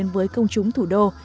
với công chúng thủ đô